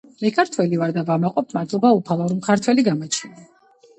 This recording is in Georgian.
მე ქართველი ვარ და ვამაყობ, მადლობა უფალო რომ ქართველი გამაჩინე!